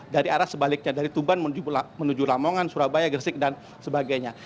dari arah sebaliknya dari tuban menuju lamongan surabaya gersik dan sebagainya